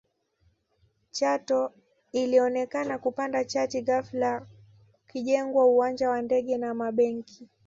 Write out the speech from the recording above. Chato ilionekana kupanda chati ghafla kukijengwa uwanja wa ndege na mabenki